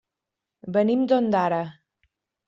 Venim d'Ondara.